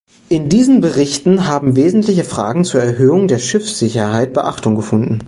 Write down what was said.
In diesen Berichten haben wesentliche Fragen zur Erhöhung der Schiffssicherheit Beachtung gefunden.